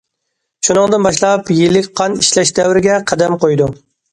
شۇنىڭدىن باشلاپ يىلىك قان ئىشلەش دەۋرىگە قەدەم قويىدۇ.